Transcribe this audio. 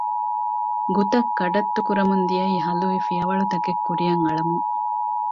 ގުތައް ކަޑަތުކުރަމުން ދިޔައީ ހަލުވި ފިޔަވަޅުތަކެއް ކުރިއަށް އަޅަމުން